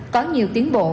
có nhiều tiến bộ